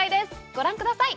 ご覧ください。